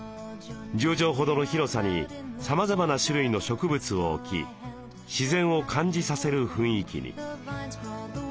１０畳ほどの広さにさまざまな種類の植物を置き自然を感じさせる雰囲気に。